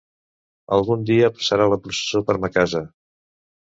Algun dia passarà la processó per ma casa.